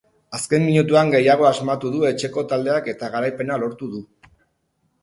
Azken minutuan gehiago asmatu du etxeko taldeak eta garaipena lortu du.